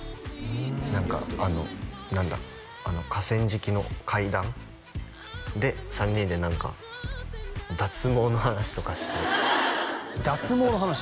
何かあの何だ河川敷の階段で３人で何か脱毛の話とかして脱毛の話？